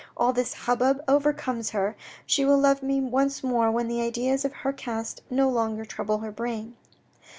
All this hubbub overcomes her. She will love me once more when the ideas of her caste no longer trouble her brain."